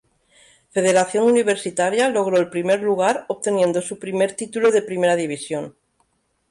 Federación Universitaria logró el primer lugar obteniendo su primer título de Primera División.